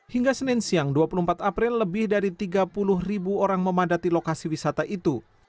hingga senin siang dua puluh empat april lebih dari tiga puluh ribu orang memadati lokasi wisata itu